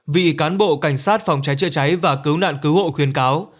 vị cán bộ cảnh sát phòng trái trịa cháy và cứu nạn cứu hộ khuyên cáo